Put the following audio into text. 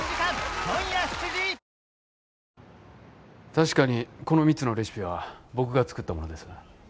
確かにこの蜜のレシピは僕が作ったものです。